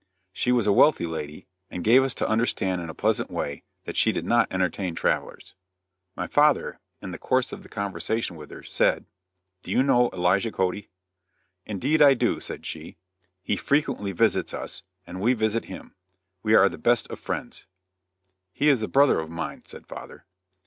She was a wealthy lady, and gave us to understand in a pleasant way, that she did not entertain travelers. My father, in the course of the conversation with her, said: "Do you know Elijah Cody?" "Indeed, I do," said she; "he frequently visits us, and we visit him; we are the best of friends." "He is a brother of mine," said father.